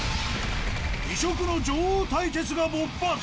異色の女王対決が勃発。